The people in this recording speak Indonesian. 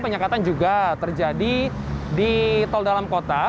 penyekatan juga terjadi di tol dalam kota